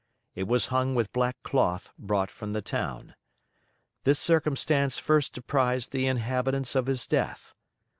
It was hung with black cloth brought from the town. This circumstance first apprised the inhabitants of his death.